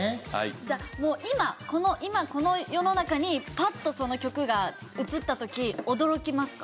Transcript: じゃあもう今今この世の中にパッとその曲が映った時驚きますか？